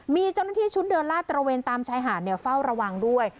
มีเจ้าหน้าที่ชุดเดินลาดตระเวนตามชายหาดเฝ้าระวังด้วย